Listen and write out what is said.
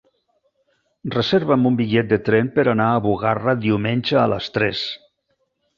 Reserva'm un bitllet de tren per anar a Bugarra diumenge a les tres.